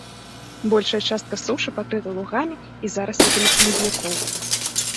Большая частка сушы пакрыта лугамі і зараснікамі хмызнякоў.